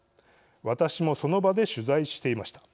私もその場で取材していました。